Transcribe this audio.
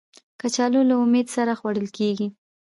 کچالو له امید سره خوړل کېږي